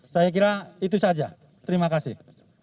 saya kira itu saja terima kasih